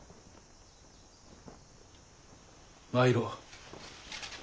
参ろう。